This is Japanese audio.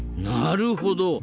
なるほど。